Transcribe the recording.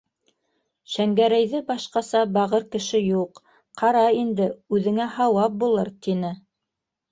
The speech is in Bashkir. «Шәңгәрәйҙе башҡаса бағыр кеше юҡ, ҡара инде, үҙеңә һауап булыр», - тине.